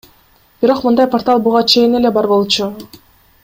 Бирок мындай портал буга чейин эле бар болчу.